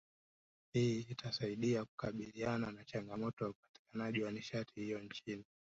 Hii itasaidia kukabiliana na changamoto ya upatikanaji wa nishati hiyo nchini